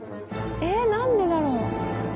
ええ？何でだろう？